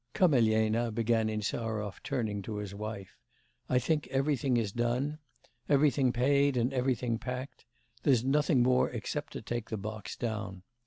'Come, Elena,' began Insarov, turning to his wife, 'I think everything is done? Everything paid, and everything packed. There's nothing more except to take the box down.